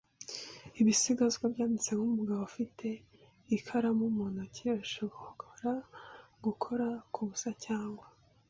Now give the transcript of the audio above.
ibisigazwa byanditse, nkumugabo ufite ikaramu mu ntoki ashobora gukora kubusa cyangwa